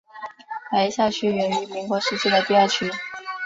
白下区源于民国时期的第二区。